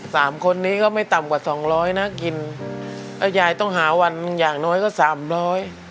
สามคนนี้ก็ไม่ต่ำกว่าสองร้อยนะกินแล้วยายต้องหาวันอย่างน้อยก็สามร้อย